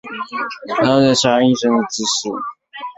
该药可能让人上瘾甚至致死。